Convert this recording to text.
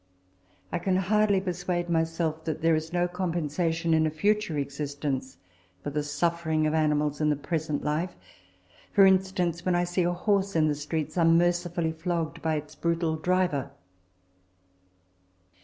I can hardly persuade myself that there is no compensation in a future existence for the suffer ings of animals in the present life* for instance, when I see a horse in the streets unmercifully flogged by its brutal driver.